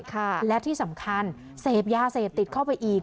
และที่สำคัญเสพยาเสพติดเข้าไปอีก